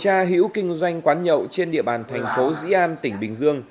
cơ quan cảnh sát điều tra hữu kinh doanh quán nhậu trên địa bàn thành phố dĩ an tỉnh bình dương